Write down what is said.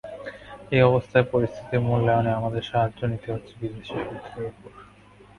এই অবস্থায় পরিস্থিতির মূল্যায়নে আমাদের সাহায্য নিতে হচ্ছে বিদেশি সূত্রের ওপর।